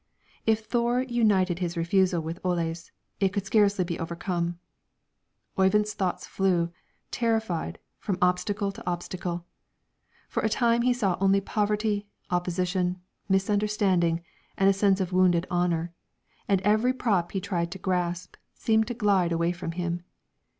If Thore united his refusal with Ole's, it could scarcely be overcome. Oyvind's thoughts flew, terrified, from obstacle to obstacle; for a time he saw only poverty, opposition, misunderstanding, and a sense of wounded honor, and every prop he tried to grasp seemed to glide away from him.